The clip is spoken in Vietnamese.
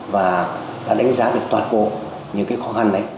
và đã đánh giá được toàn bộ những cái khó khăn đấy